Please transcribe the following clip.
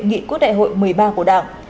nghị quốc đại hội một mươi ba của đảng